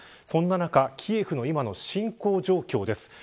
そんな中キエフの今の侵攻状況です。